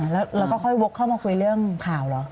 แล้วเราก็ค่อยวกเข้ามาคุยเรื่องข่าวเหรอ